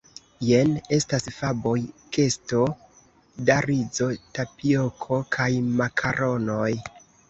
Jen estas faboj, kesto da rizo, tapioko kaj makaronoj.